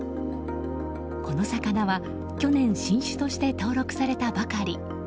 この魚は去年新種として登録されたばかり。